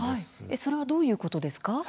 それはどういうことですか。